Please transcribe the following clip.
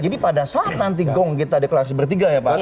jadi pada saat nanti gong kita deklarasi bertiga ya pak